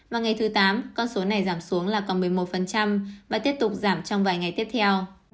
và ngày thứ tám con số này giảm xuống là còn một mươi một và tiếp tục giảm trong vài ngày tiếp theo